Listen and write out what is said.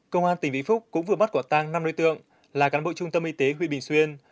công an tỉnh vĩnh phúc cũng vừa bắt quả tăng năm đối tượng là cán bộ trung tâm y tế huyện bình xuyên